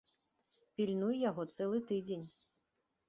Пільнуй яго цэлы тыдзень.